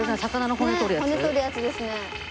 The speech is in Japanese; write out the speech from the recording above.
骨取るやつですね。